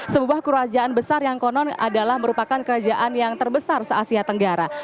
sebuah kerajaan besar yang konon adalah merupakan kerajaan yang terbesar se asia tenggara